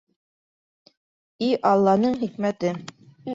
— И Алланың хикмәте!